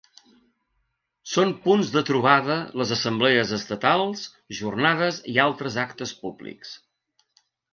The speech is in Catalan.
Són punts de trobada les Assemblees Estatals, jornades i altres actes públics.